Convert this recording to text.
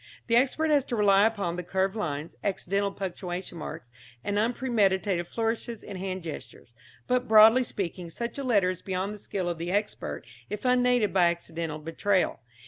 The expert has to rely upon the curved lines, accidental punctuation marks and unpremeditated flourishes and hand gestures; but, broadly speaking, such a letter is beyond the skill of the expert if unaided by accidental betrayal.